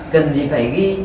cần gì phải ghi